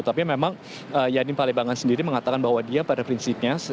tapi memang yadin palembangan sendiri mengatakan bahwa dia pada prinsipnya